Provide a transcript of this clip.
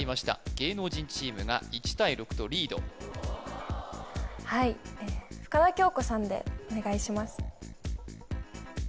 芸能人チームが１対６とリードはい深田恭子さんでお願いします